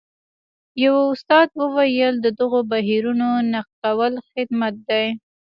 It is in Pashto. یوه استاد وویل د دغو بهیرونو نقد کول خدمت دی.